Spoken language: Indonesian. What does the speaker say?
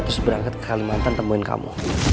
terus berangkat ke kalimantan temuin kamu